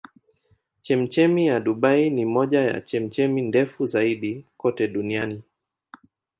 Chemchemi ya Dubai ni moja ya chemchemi ndefu zaidi kote duniani.